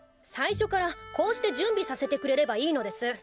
最初からこうして準備させてくれればいいのです。